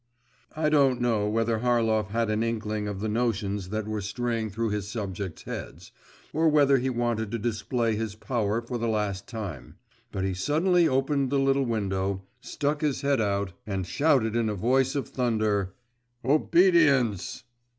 I don't know whether Harlov had an inkling of the notions that were straying through his 'subjects' heads, or whether he wanted to display his power for the last time, but he suddenly opened the little window, stuck his head out, and shouted in a voice of thunder, 'obedience!